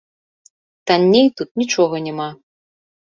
Танней тут нічога няма.